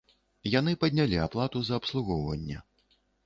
Яны паднялі плату за абслугоўванне.